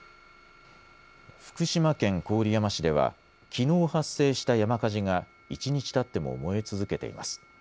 福島県郡山市ではきのう発生した山火事が１日たっても燃え続けています。